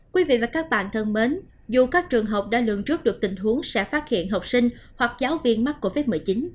quý vị và các bạn thân mến dù các trường học đã lường trước được tình huống sẽ phát hiện học sinh hoặc giáo viên mắc covid một mươi chín